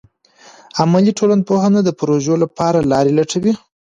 عملي ټولنپوهنه د پروژو لپاره لارې لټوي.